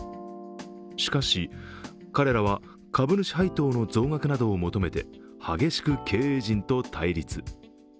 しかし、彼らは株主配当の増額などを求めて激しく経営陣と対立。